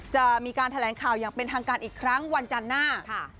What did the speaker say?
จะมีการแถลงข่าวอย่างเป็นทางการอีกครั้งวันจันทร์หน้าค่ะ